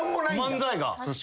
漫才が。